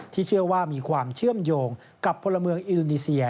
เชื่อว่ามีความเชื่อมโยงกับพลเมืองอินโดนีเซีย